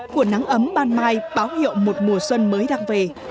của nắng ấm ban mai báo hiệu một mùa xuân mới đang về